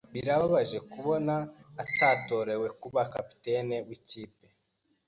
Birababaje kubona atatorewe kuba kapiteni wikipe.